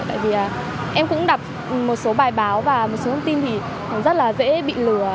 tại vì em cũng đặt một số bài báo và một số thông tin thì rất là dễ bị lừa